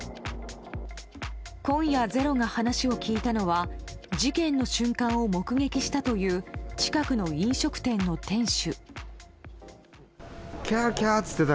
今夜、「ｚｅｒｏ」が話を聞いたのは事件の瞬間を目撃したという近くの飲食店の店主。